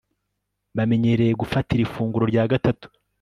bamenyereye gufatira ifunguro rya gatatu